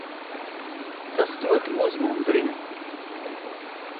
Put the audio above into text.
Tas ļoti uzmundrina.